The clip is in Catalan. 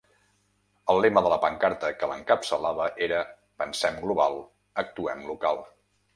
El lema de la pancarta que l’encapçalava era: Pensem global, actuem local.